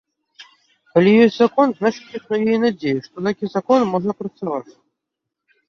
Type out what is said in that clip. Калі ёсць закон, значыць, існуе і надзея, што такі закон можа працаваць.